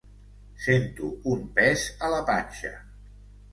Sento un pes a la panxa.